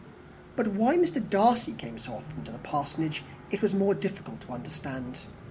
But why Mr. Darcy came so often to the Parsonage it was more difficult to understand.